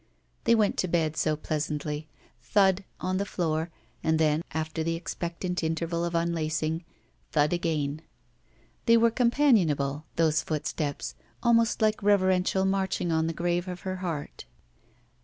They went to bed so pleasantly. Thud, on the floor, and then, after the expectant interval of unlacing, thud again. They were companionable, those footsteps, almost like reverential marching on the grave of her heart.